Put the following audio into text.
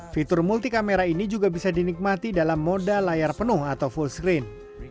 fitur multi kamera ini juga bisa dinikmati dalam moda layar penuh atau full screen